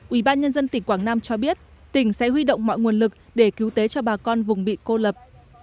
ubnd tỉnh quảng nam cho biết tỉnh sẽ huy động mọi nguồn lực để cứu tế cho bà con vùng bị cô lập